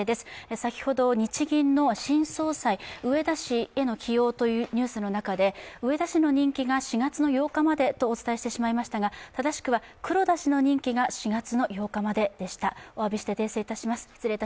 先ほど日銀の新総裁、植田氏への起用というニュースの中で植田氏の任期が４月８日までとお伝えしてしまいましたが正しくは、黒田氏の任期が４月８日まででした。